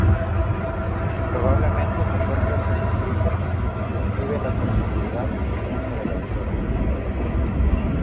Probablemente mejor que otros escritos, describe la personalidad y genio del autor.